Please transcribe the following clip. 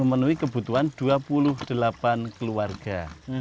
memenuhi kebutuhan dua puluh delapan keluarga